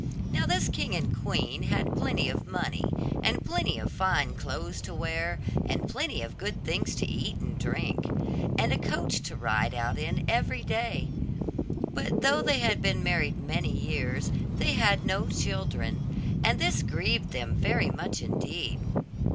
Now this king and queen had plenty of money, and plenty of fine clothes to wear, and plenty of good things to eat and drink, and a coach to ride out in every day: but though they had been married many years they had no children, and this grieved them very much indeed.